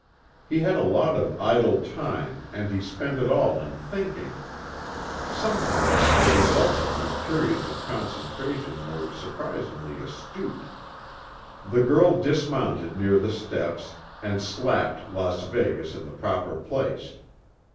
He had a lot of idle time and he spent it all in thinking. Sometimes the results of his periods of concentration were surprisingly astute. The girl dismounted near the steps and slapped Las Vegas in the proper place.